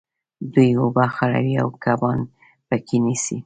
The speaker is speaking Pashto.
دوی اوبه خړوي او کبان په کې نیسي.